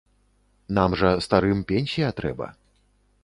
Нам жа, старым, пенсія трэба.